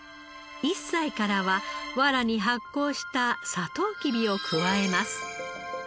１歳からはワラに発酵したサトウキビを加えます。